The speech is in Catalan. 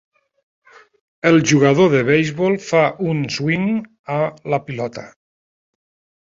El jugador de beisbol fa un swing a la pilota.